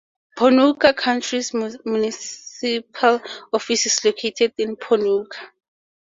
Ponoka County's municipal office is located in Ponoka.